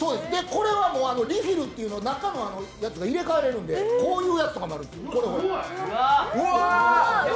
これはリフィルという、中のやつを入れ替われるのでこういうやつとかもあるんです。